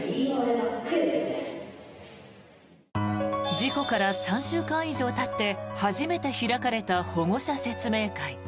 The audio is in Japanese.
事故から３週間以上たって初めて開かれた保護者説明会。